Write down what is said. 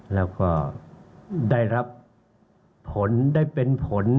แล้วก็ได้รับผลได้เป็นผล